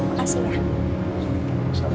udah doain pernikahan aku